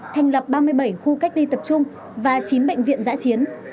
thành lập ba mươi bảy khu cách ly tập trung và chín bệnh viện giã chiến